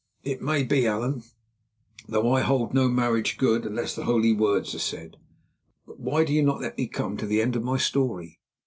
"It may be, Allan, though I hold no marriage good unless the holy words are said. But why do you not let me come to the end of my story?"